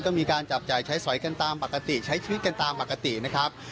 ก็มีการจับจ่ายใช้สอยกันตามปกติใช้ชีวิตกันตามปกตินะครับ